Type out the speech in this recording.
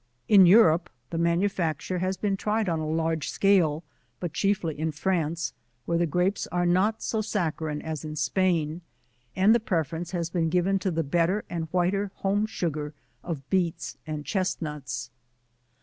In Europe, the manufacture has been tried on a large scale, but chiefly in France, where the Grapes are not so sac charine as in Spain, and the preference has been given to the better and whiter home sugar of Beets and Chesnuts.